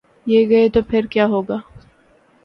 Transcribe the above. یہ گئے تو پھر کیا ہو گا؟